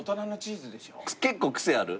結構クセある？